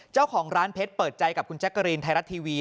เจ้าของร้านเพชรเปิดใจกับคุณแจ๊กกะรีนไทยรัฐทีวี